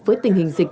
với tình hình dịch